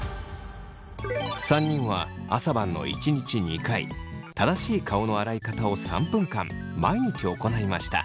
３人は朝晩の１日２回正しい顔の洗い方を３分間毎日行いました。